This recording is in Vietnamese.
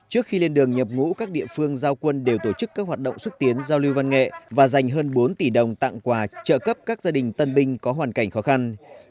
trước khi lên đường nhập ngũ các địa phương giao quân đều tổ chức các hoạt động xúc tiến giao lưu văn nghệ và dành hơn bốn tỷ đồng tặng quà trợ cấp các gia đình tân binh có hoàn cảnh khó khăn